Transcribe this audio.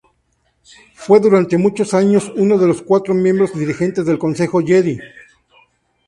Fue durante muchos años uno de los cuatro miembros dirigentes del Consejo Jedi.